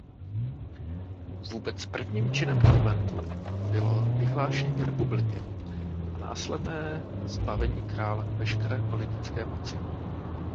Vůbec prvním činem Konventu bylo vyhlášení republiky a následné zbavení krále veškeré politické moci.